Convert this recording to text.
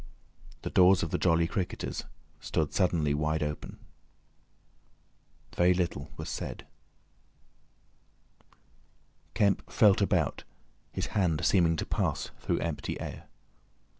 The doors of the "Jolly Cricketers" stood suddenly wide open. Very little was said. Kemp felt about, his hand seeming to pass through empty air.